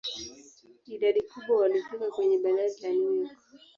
Idadi kubwa walifika kwenye bandari la New York.